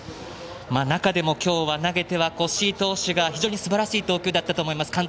中でも今日は投げては越井投手が非常にすばらしい投球だったと思います。